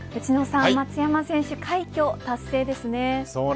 内野さん松山選手、快挙達成ですね。